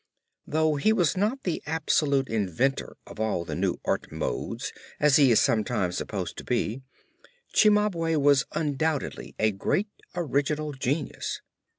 Though he was not the absolute inventor of all the new art modes as he is sometimes supposed to be, Cimabue was undoubtedly a great original genius.